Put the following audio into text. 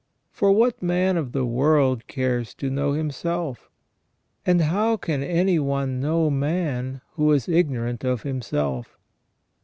For what man of the world cares to know himself? And how can any one know man who is ignorant of himself?